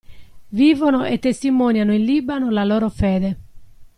Vivono e testimoniano in Libano la loro fede.